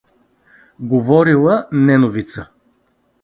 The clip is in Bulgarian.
говорила Неновица.